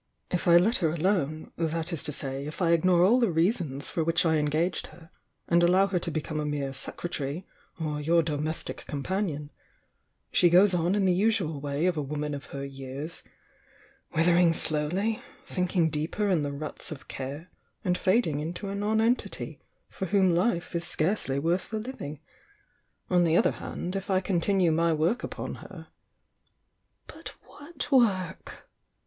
If I let her alone,— that is to say, if I ignore all the reasons for which I engaged her, and allow her to become a mere secretary, or your domestic companion, — she goes on in the usual way of a woman of her years,— withering slowly — sinking deeper in the ruts of care, and fading into a nonentity for whom life is scarcely worth the living. On the other hand, if I continue my work upon her " "But what work?"